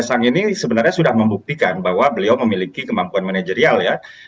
secara kapasitas mas kaesang ini sebenarnya sudah membuktikan bahwa beliau memiliki kemampuan manajerial ya